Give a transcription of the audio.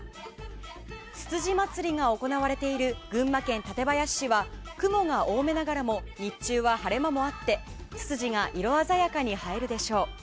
つつじまつりが行われている群馬県館林市は雲が多めながらも日中は晴れ間もあってツツジが色鮮やかに映えるでしょう。